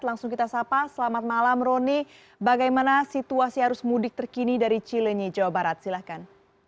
langsung kita sapa selamat malam roni bagaimana situasi arus mudik terkini dari cilenyi jawa barat silahkan